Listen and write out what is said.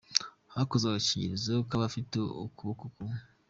Hakozwe agakingirizo k’abafite ukuboko kumwe